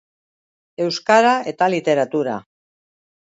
Euskara eta Literatura.